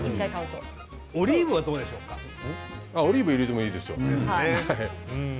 オリーブオイルでもいいですよ。